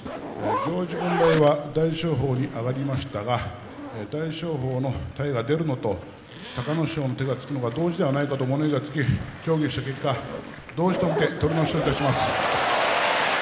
行司軍配は大翔鵬に上がりましたが大翔鵬の体が出るのと隆の勝の手がつくのが同時ではないかと物言いがつき協議した結果同時と見て取り直しといたします。